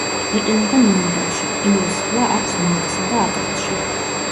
იყინება ნოემბერში, ყინულსვლა აქვს მარტსა და აპრილში.